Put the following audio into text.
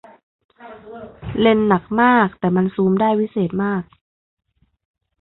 เลนส์หนักมากแต่มันซูมได้วิเศษมาก